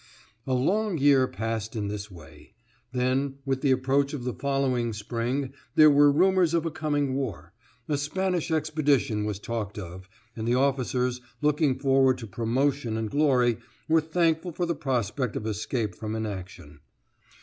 A long year passed in this way. Then, with the approach of the following spring, there were rumors of a coming war; a Spanish expedition was talked of, and the officers, looking forward to promotion and glory, were thankful for the prospect of escape from inaction.